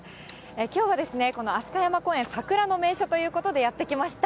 きょうはですね、この飛鳥山公園、桜の名所ということで、やって来ました。